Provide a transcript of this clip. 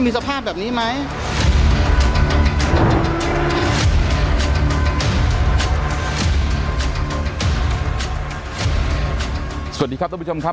สวัสดีครับท่านผู้ชมครับ